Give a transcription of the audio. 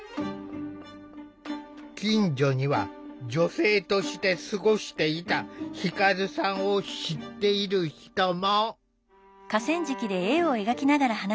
近所には女性として過ごしていた輝さんを知っている人も。